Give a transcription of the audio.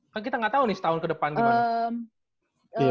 kak kita gak tau nih setahun ke depan gimana